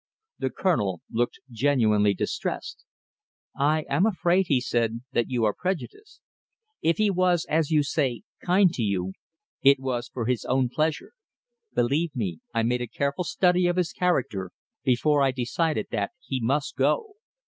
The Colonel looked genuinely distressed. "I am afraid," he said, "that you are prejudiced. If he was, as you say, kind to you, it was for his own pleasure. Believe me, I made a careful study of his character before I decided that he must go."